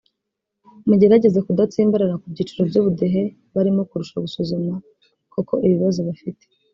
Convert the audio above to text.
mugerageze kudatsimbarara ku byiciro by’Ubudehe barimo kurusha gusuzuma koko ibibazo bafite